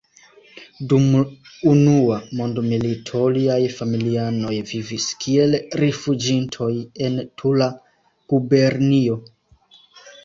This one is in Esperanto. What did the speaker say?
Dum Unua mondmilito, liaj familianoj vivis kiel rifuĝintoj en Tula gubernio.